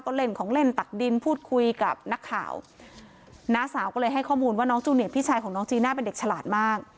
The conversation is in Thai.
ก็เล่นของเล่นตักดินพูดคุยกับนักข่าวน้าสาวก็เลยให้ข้อมูลว่าน้องจูเนียพี่ชายของน้องจีน่าเป็นเด็กฉลาดมาก